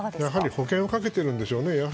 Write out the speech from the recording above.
やはり保険をかけているんでしょうね。